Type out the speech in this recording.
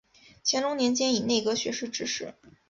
乾隆年间以内阁学士致仕。